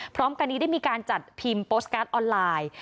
พร้อมกันนี้ได้มีการจัดพิมพ์โปสตการ์ดออนไลน์